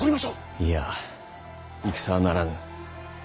いいや戦はならぬ。